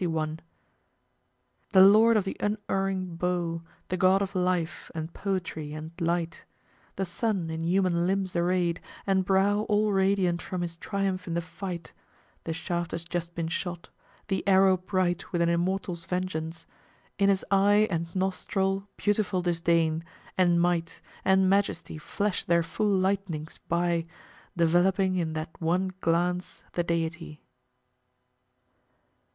161: "... The lord of the unerring bow, The god of life, and poetry, and light, The Sun, in human limbs arrayed, and brow All radiant from his triumph in the fight The shaft has just been shot; the arrow bright With an immortal's vengeance; in his eye And nostril, beautiful disdain, and might And majesty flash their full lightnings by, Developing in that one glance the Deity."